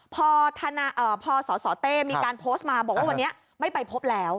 พอสสเต้มีการโพสต์มาบอกว่าวันนี้ไม่ไปพบแล้ว